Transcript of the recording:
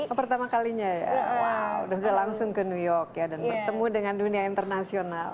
oh pertama kalinya ya wow udah langsung ke new york ya dan bertemu dengan dunia internasional